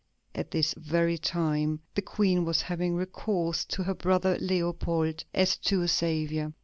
At this very time, the Queen was having recourse to her brother Leopold as to a saviour.